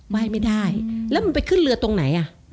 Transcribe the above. ไม่ได้แล้วมันไปขึ้นเรือตรงไหนอ่ะ